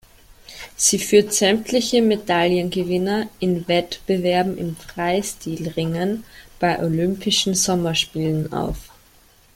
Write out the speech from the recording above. Sie führt sämtliche Medaillengewinner in Wettbewerben im Freistilringen bei Olympischen Sommerspielen auf.